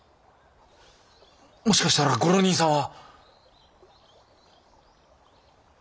もしかしたらご浪人さんは！